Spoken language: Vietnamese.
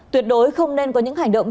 tuyệt đối không nên có những hành động